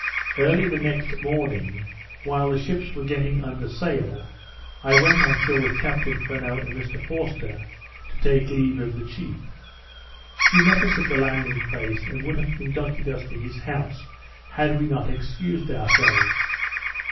Early the nest morning, while the ships were getting under sail, I went on shore with Captain Furneaux and Mr Forster, to take leave of the chief. He met us at the landing place, and would have conducted us to his house, had we not excused ourselves.